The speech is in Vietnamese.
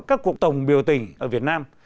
các cuộc tổng biểu tình ở việt nam